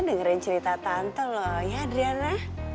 dengerin cerita tante loh ya adriana